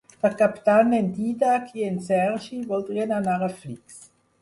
Per Cap d'Any en Dídac i en Sergi voldrien anar a Flix.